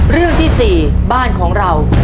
เรื่องที่๔บ้านของเรา